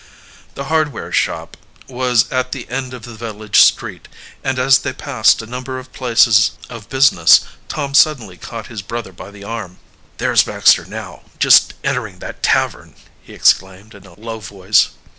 The hardware shop was at the end of the village street, and as they passed a number of places of business Tom suddenly caught his brother by the arm. "There is Baxter now just entering that tavern!" he exclaimed in a low voice.